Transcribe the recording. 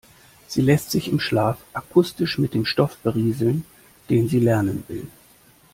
Sie lässt sich im Schlaf akustisch mit dem Stoff berieseln, den sie lernen will.